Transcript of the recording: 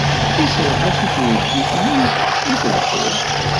Iserreḥ-as i teydit-nni deg tebḥirt.